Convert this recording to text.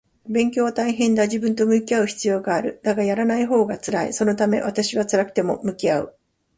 勉強は大変だ。自分と向き合う必要がある。だが、やらないほうが辛い。そのため私は辛くても向き合う